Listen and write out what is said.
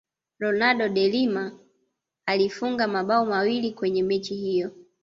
ronaldo de Lima alifunga mabao mawili kwenye mechi hiyo